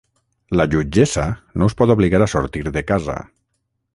La jutgessa no us pot obligar a sortir de casa.